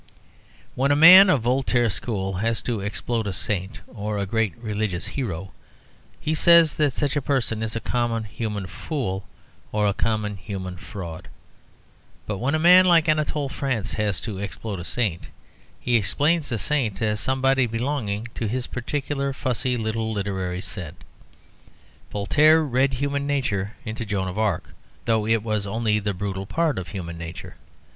When a man of Voltaire's school has to explode a saint or a great religious hero, he says that such a person is a common human fool, or a common human fraud. But when a man like Anatole France has to explode a saint, he explains a saint as somebody belonging to his particular fussy little literary set. Voltaire read human nature into Joan of Arc, though it was only the brutal part of human nature.